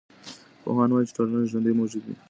پوهان وايي چي ټولنه ژوندی موجود دی.